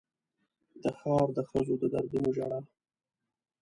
د ښار د ښځو د دردونو ژړا